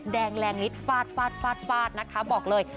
แดงแรงนิดฟาดนะคะบอกเลย